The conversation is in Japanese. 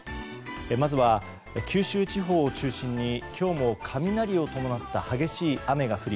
まずは、九州地方を中心に今日も雷を伴った激しい雨が降り